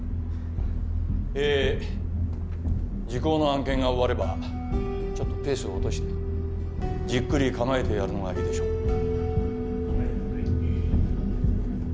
え時効の案件が終わればちょっとペースを落としてじっくり構えてやるのがいいでしょう。